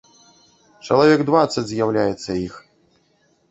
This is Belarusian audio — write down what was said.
Чалавек дваццаць з'яўляецца іх.